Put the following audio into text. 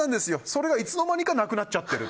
それがいつの間にかなくなっちゃってる。